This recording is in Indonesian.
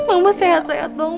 mama sehat sehat dong